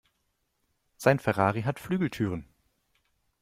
Sein Ferrari hat Flügeltüren.